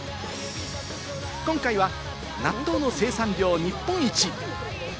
今回は納豆の生産量日本一！